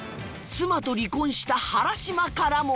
妻と離婚した原島からも